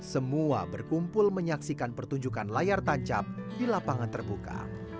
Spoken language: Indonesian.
semua berkumpul menyaksikan pertunjukan layar tancap di lapangan terbuka